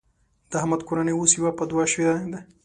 د احمد کورنۍ اوس يوه په دوه شوېده.